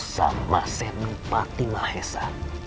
sama senopati mahesa